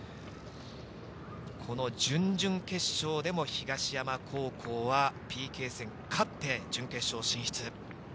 この準々決勝でも東山高校はＰＫ戦勝って準決勝進出。